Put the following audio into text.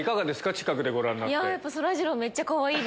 近くでご覧になって。